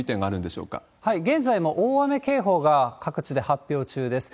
現在も大雨警報が各地で発表中です。